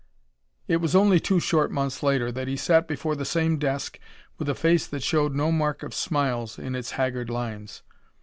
It was only two short months later that he sat before the same desk, with a face that showed no mark of smiles in its haggard lines.